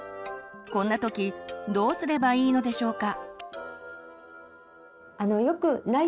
こんな時どうすればいいのでしょうか。